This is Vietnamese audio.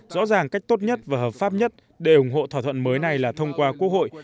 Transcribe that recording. rõ ràng cách tốt nhất và hợp pháp nhất để ủng hộ thỏa thuận mới này là thông qua quốc hội